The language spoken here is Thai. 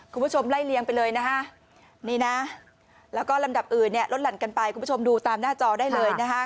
คุณผู้ชมไล่เลี้ยงไปเลยนะฮะนี่นะแล้วก็ลำดับอื่นเนี่ยลดหลั่นกันไปคุณผู้ชมดูตามหน้าจอได้เลยนะคะ